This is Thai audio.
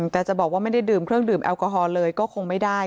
แต่จะบอกว่าไม่ได้ดื่มเครื่องดื่มแอลกอฮอลเลยก็คงไม่ได้